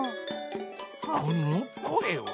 このこえは？